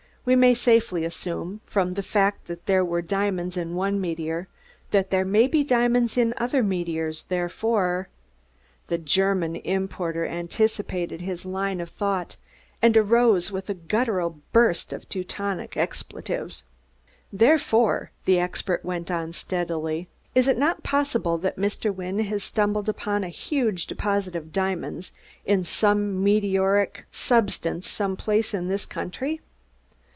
We may safely assume, from the fact that there were diamonds in one meteor, that there may be diamonds in other meteors, therefore " The German importer anticipated his line of thought and arose with a guttural burst of Teutonic expletives. "Therefore," the expert went on steadily, "is it not possible that Mr. Wynne has stumbled upon a huge deposit of diamonds in some meteoric substance some place in this country?